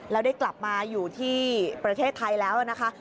แล้วได้กลับมาอยู่ที่ประเทศไทยแล้วนะคะ